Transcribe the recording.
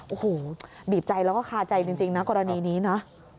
โอ้โหบีบใจแล้วก็คาใจจริงนะกรณีนี้นะ